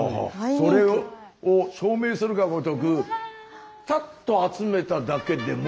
それを証明するがごとくパッと集めただけでも。